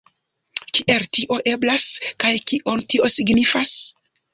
Kiel tio eblas, kaj kion tio signifas?